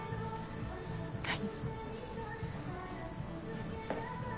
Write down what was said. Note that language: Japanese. はい。